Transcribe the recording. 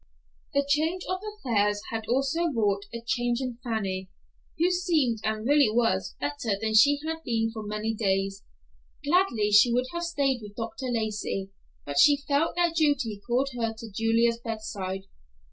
The change of affairs had also wrought a change in Fanny, who seemed and really was better than she had been for many days. Gladly would she have stayed with Dr. Lacey, but she felt that duty called her to Julia's bedside.